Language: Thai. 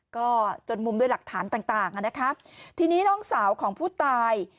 ก็จนมุมด้วยหลักฐานต่างต่างอ่ะนะคะทีนี้น้องสาวของผู้ตาย